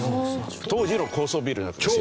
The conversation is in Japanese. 当時の高層ビルなんですよ。